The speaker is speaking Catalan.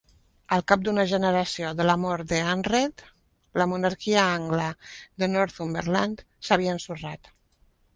Al cap d'una generació de la mort d'Eanred, la monarquia angla de Northumberland s'havia ensorrat.